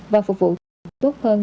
và phục vụ tốt hơn